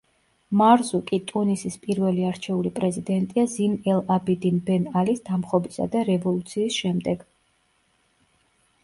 მარზუკი ტუნისის პირველი არჩეული პრეზიდენტია ზინ ელ-აბიდინ ბენ ალის დამხობისა და რევოლუციის შემდეგ.